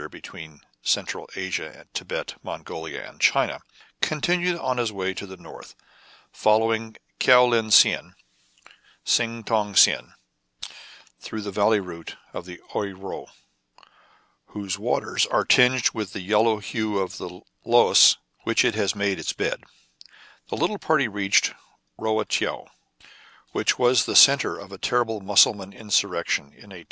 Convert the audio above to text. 129 centre between Central Asia, Thibet, Mongolia, and China, continued on his way to the North. Following Kao Lin Sien, Sing Tong Sien, through the valley route of the Ouei Ro, whose waters are tinged with the yellow hue of the loess through which it has made its bed, the little party reached Roua Tcheou, which was the centre of a terrible Mussulman insurrection in i860.